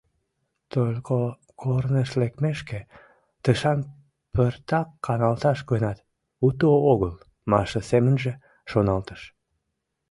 «Только корныш лекмешке, тышан пыртак каналташ гынат, уто огыл, — Миша семынже шоналтыш.